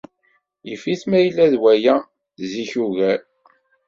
Yif-it ma yella-d waya zik ugar.